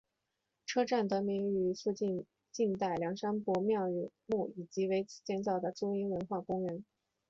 车站得名于附近晋代梁山伯庙和墓以及为此建造的梁祝文化公园。